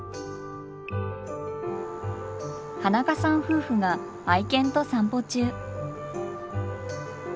花香さん夫婦が愛犬と散歩中。